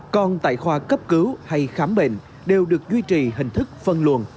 còn tại khoa cấp cứu hay khám bệnh đều được duy trì hình thức phân luận